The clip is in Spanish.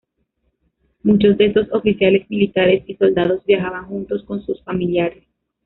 Muchos de estos oficiales militares y soldados viajaban juntos con sus familiares.